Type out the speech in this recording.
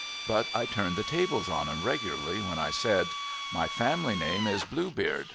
But I turned the tables on 'em regularly, when I said :' My family name is Blue Beard.